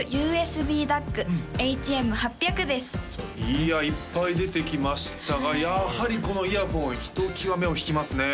いやいっぱい出てきましたがやはりこのイヤホンひときわ目を引きますね